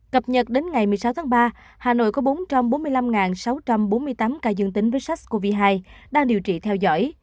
cập nhật đến ngày một mươi sáu tháng ba hà nội có bốn trăm bốn mươi năm sáu trăm bốn mươi tám ca dương tính với sars cov hai đang điều trị theo dõi